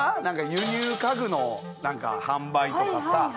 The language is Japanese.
輸入家具の販売とかさ。